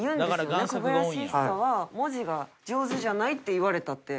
小林一茶は文字が上手じゃないって言われたって。